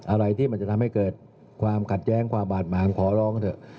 อะไรที่มันจะทำให้เกิดความขัดแย้งความบาดหมางขอร้องเถอะ